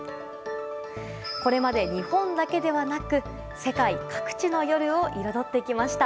これまで日本だけではなく世界各地の夜を彩ってきました。